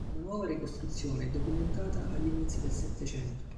Una nuova ricostruzione è documentata agli inizi del settecento.